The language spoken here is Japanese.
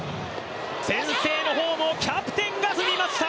先制のホームをキャプテンが踏みました！